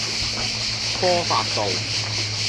科發道